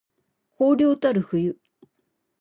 荒涼たる冬